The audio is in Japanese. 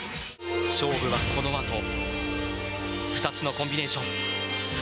勝負はこのあと２つのコンビネーション。